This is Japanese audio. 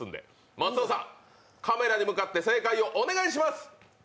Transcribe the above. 松尾さん、カメラに向かって正解をお願いします。